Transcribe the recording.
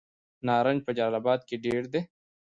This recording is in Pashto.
نارنج په جلال اباد کې ډیر دی.